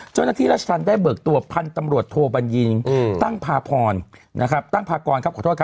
จนที่รัชทันได้เบิกตัวพันธุ์ตำรวจโทบัญญิงตั้งพากร